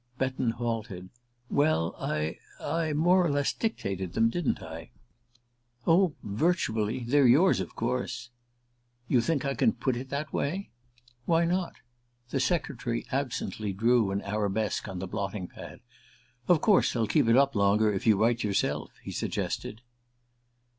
Betton halted. "Well I I more or less dictated them, didn't I?" "Oh, virtually, they're yours, of course." "You think I can put it that way?" "Why not?" The secretary absently drew an arabesque on the blotting pad. "Of course they'll keep it up longer if you write yourself," he suggested.